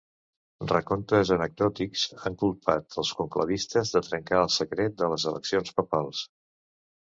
Recontes anecdòtics han culpat els conclavistes de trencar el secret a les eleccions papals.